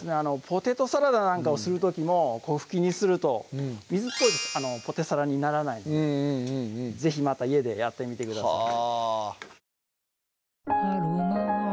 ポテトサラダなんかをする時も粉ふきにすると水っぽいポテサラにならないので是非また家でやってみてください